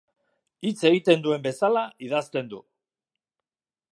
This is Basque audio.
Hitz egiten duen bezala idazten du.